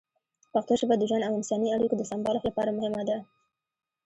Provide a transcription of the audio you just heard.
پښتو ژبه د ژوند او انساني اړیکو د سمبالښت لپاره مهمه ده.